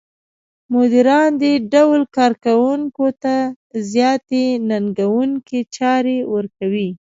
مديران دې ډول کار کوونکو ته زیاتې ننګوونکې چارې ورکوي.